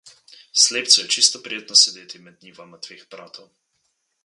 Slepcu je čisto prijetno sedeti med njivama dveh bratov.